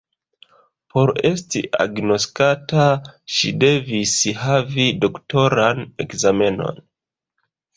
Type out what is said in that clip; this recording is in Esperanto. Por esti agnoskata, ŝi devis havi doktoran ekzamenon.